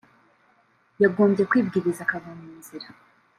yagombye kwibwiriza akava mu nzira